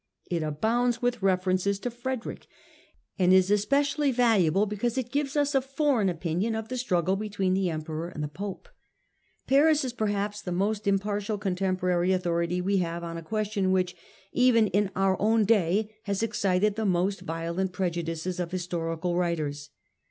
It abounds with references to Frederick, and is especially valuable because it gives us a foreign opinion of the struggle between the Emperor and the Pope. Paris is perhaps the most impartial contemporary authority we have on a question which, even to our own day, has excited the most violent pre judices of historical writers.